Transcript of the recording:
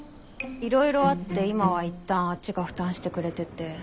いろいろあって今はいったんあっちが負担してくれてて。